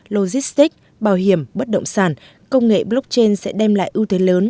logistics bảo hiểm bất động sản công nghệ blockchain sẽ đem lại ưu thế lớn